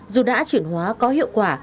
dù đã chuyển hóa có hiệu quả